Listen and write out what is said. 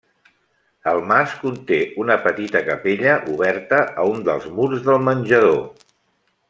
El Mas conté una petita capella oberta a un dels murs del menjador.